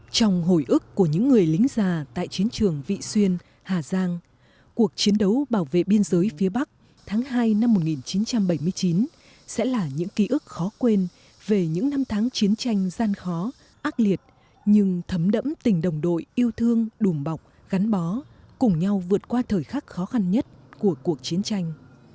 trong hồi ước của những người lính già tại chiến trường vị xuyên hà giang cuộc chiến đấu bảo vệ biên giới phía bắc tháng hai năm một nghìn chín trăm bảy mươi chín sẽ là những ký ức khó quên về những năm tháng chiến tranh gian khó ác liệt nhưng thấm đẫm tình đồng đội yêu thương đùm bọc gắn bó cùng nhau vượt qua thời khắc khó khăn nhất của cuộc chiến tranh